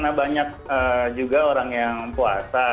karena banyak juga orang yang puasa